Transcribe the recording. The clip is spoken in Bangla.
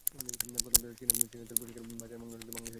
প্রথমটি হলো, চীনের তৈরি পোশাকের বাজারের একটি অংশ বাংলাদেশে চলে আসবে।